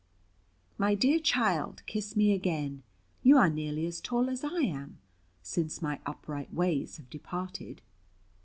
"My dear child, kiss me again. You are nearly as tall as I am, since my upright ways have departed.